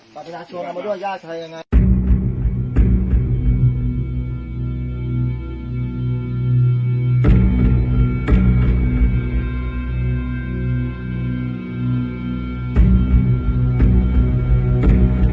แม่งกลัวแม่งกลัว